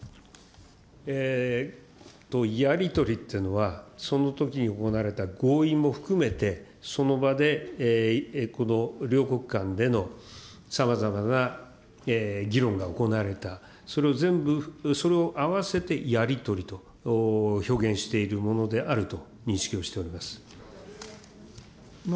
やり取りっていうのは、そのときに行われた合意も含めて、その場で両国間でのさまざまな議論が行われた、それを全部、それを合わせてやり取りと表現しているものであると認識をしております。